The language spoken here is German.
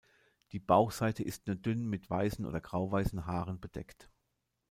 Die Bauchseite ist nur dünn mit weißen oder grauweißen Haaren bedeckt.